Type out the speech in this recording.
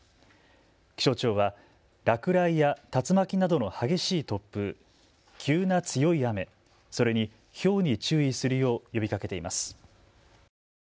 気象庁は落雷や竜巻などの激しい突風、急な強い雨、それにひょうに注意するよう呼びかけています。